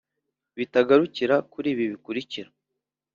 bitagarukira kuri ibi bikurikira